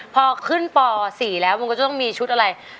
พอขึ้นป๔แล้วมันก็จะต้องมีชุดอะไร